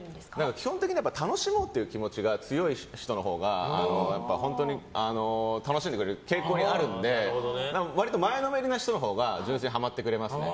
基本的に楽しもうという気持ちが強い人のほうがやっぱり本当に楽しんでくれる傾向にあるので割と前のめりな人のほうが純粋にハマってくれますね。